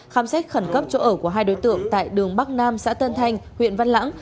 khám xét khẩn cấp chỗ ở của hai đối tượng tại đường bắc nam xã tân thanh huyện văn lãng